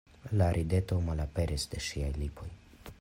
La rideto malaperis de ŝiaj lipoj.